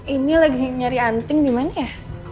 ini lagi nyari anting gimana ya